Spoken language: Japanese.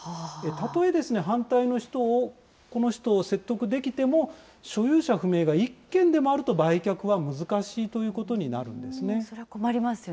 たとえ反対の人を、この人を説得できても、所有者不明が１軒でもあると売却は難しいということになるんですね。